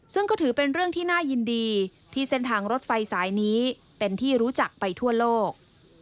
ซึ่งก็ถือเป็นเรื่องที่น่ายินดีที่เส้นทางรถไฟสายนี้เป็นที่รู้จักไปทั่วโลก